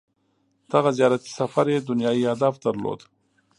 • دغه زیارتي سفر یې دنیايي هدف درلود.